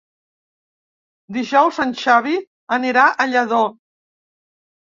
Dijous en Xavi anirà a Lladó.